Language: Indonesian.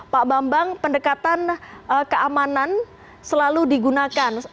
pak bambang pendekatan keamanan selalu digunakan